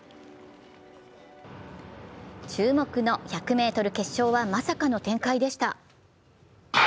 注目の１００ｍ決勝は、まさかの展開でした。